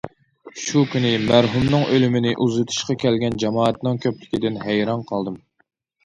شۇ كۈنى مەرھۇمنىڭ ئۆلۈمىنى ئۇزىتىشقا كەلگەن جامائەتنىڭ كۆپلۈكىدىن ھەيران قالدىم.